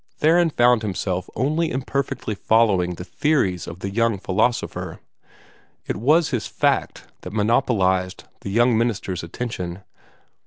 Theron found himself only imperfectly following the theories of the young philosopher. It was his fact that monopolized the minister's attention.